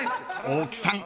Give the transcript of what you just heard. ［大木さん